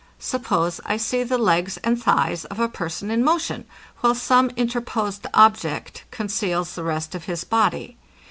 Suppose I see the legs and thighs of a person in motion, while some interposed object conceals the rest of his body.